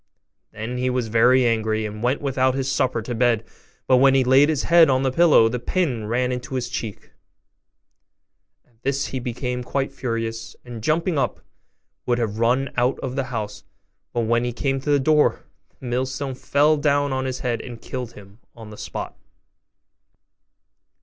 Then he was very angry, and went without his supper to bed; but when he laid his head on the pillow, the pin ran into his cheek: at this he became quite furious, and, jumping up, would have run out of the house; but when he came to the door, the millstone fell down on his head, and killed him on the spot.